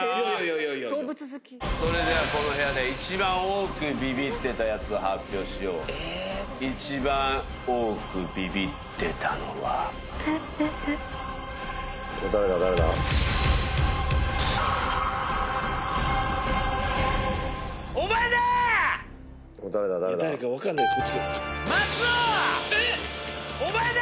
いやいや動物好きそれではこの部屋で一番多くビビってたやつを発表しよう一番多くビビってたのは誰か分かんないこっち松尾お前だ！